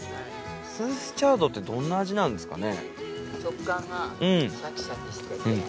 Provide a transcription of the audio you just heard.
スイスチャードってどんな味なんですかね？